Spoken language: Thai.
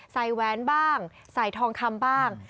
แหวนบ้างใส่ทองคำบ้าง